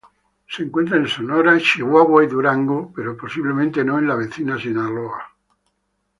Se encuentra en Sonora, Chihuahua, y Durango, pero posiblemente no en la vecina Sinaloa.